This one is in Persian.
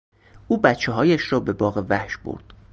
او بچههایش را به باغوحش برد.